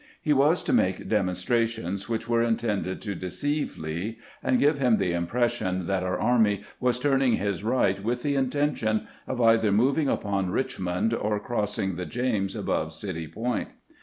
He was to make demonstra tions which were intended to deceive Lee and give him the impression that our army was turning his right with the intention of either moving upon Eichmond or cross ing the James above City Point.